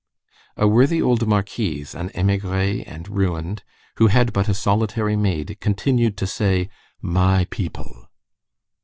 A worthy old marquise, an emigrée and ruined, who had but a solitary maid, continued to say: "My people."